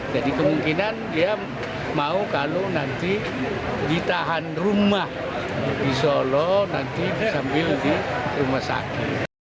jadi kemungkinan dia mau kalau nanti ditahan rumah di solo nanti disambil di rumah sakit